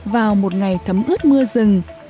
vào một ngày thấm ướt mưa rừng